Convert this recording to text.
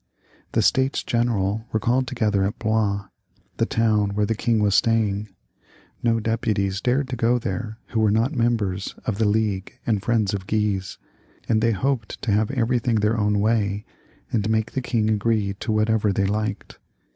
The States General were called together at Blois, the town were the king was staying. No deputies dared to go there who were not members of the League and friends of (jruise, and they hoped to have everything their own way, and make the king agree to whatever they hked.